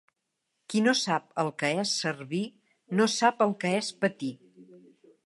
Qui no sap el que és servir no sap el que és patir.